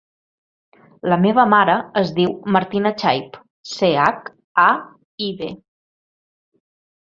La meva mare es diu Martina Chaib: ce, hac, a, i, be.